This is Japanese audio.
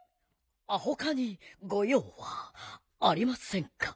あほかにごようはありませんか？